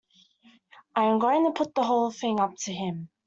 I'm going to put the whole thing up to him.